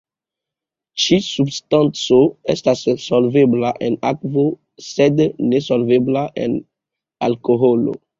Ĉi-substanco estas solvebla en akvo sed nesolvebla en alkoholo.